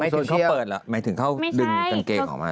ถึงเขาเปิดเหรอหมายถึงเขาดึงกางเกงออกมา